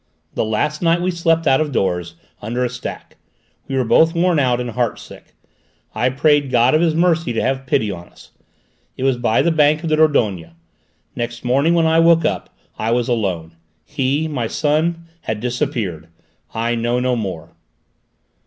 "The last night we slept out of doors, under a stack; we were both worn out and heart sick; I prayed God of His mercy to have pity on us. It was by the bank of the Dordogne. Next morning when I woke up I was alone. He my son had disappeared. I know no more."